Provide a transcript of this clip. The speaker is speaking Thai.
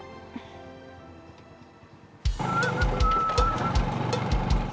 เฮ้ย